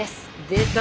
出た！